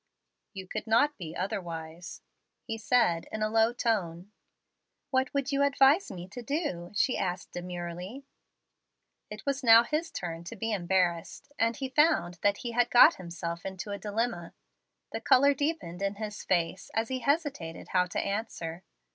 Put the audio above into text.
"You could not be otherwise," he said, in a low tone. "What would you advise me to do?" she asked demurely. It was now his turn to be embarrassed, and he found that he had got himself into a dilemma. The color deepened in his face as he hesitated how to answer.